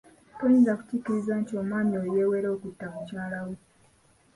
Toyinza kukiriza nti omwami oyo yeewera okutta mukyala we.